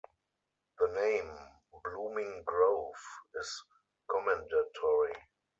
The name Blooming Grove is commendatory.